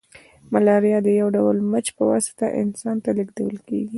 ملاریا د یو ډول مچ په واسطه انسان ته لیږدول کیږي